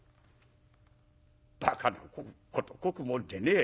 「ばかなことこくもんでねえ。